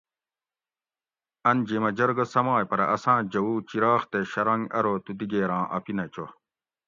ان جیمہ جرگہ سمائے پرہ اساں جوؤ چراغ تے شرنگ ارو تو دِگیراں اپینہ چو